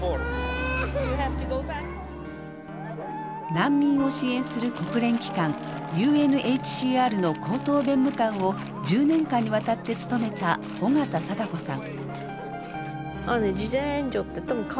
難民を支援する国連機関ＵＮＨＣＲの高等弁務官を１０年間にわたって務めた緒方貞子さん。